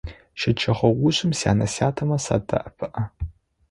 Щэджэгъоужым сянэ-сятэмэ садэӀэпыӀэ.